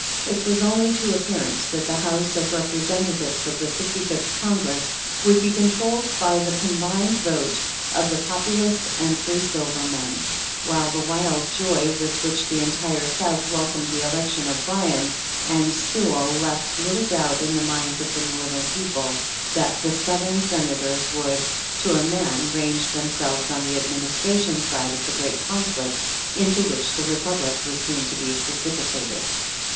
It was only too apparent that the House of Representatives of the Fifty fifth Congress would be controlled by the combined vote of the Populists and Free Silver men, while the wild joy with which the entire South welcomed the election of Bryan and Sewall left little doubt in the minds of the Northern people that the Southern Senators would, to a man^ range themselves on the Administration side of the great conflict into which the Republic was soon to be precipitated.